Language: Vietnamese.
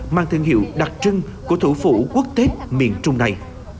mang thương hiệu đặc trưng của thủ phủ quốc tết miền trung này